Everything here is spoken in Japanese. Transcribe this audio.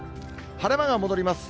晴れ間が戻ります。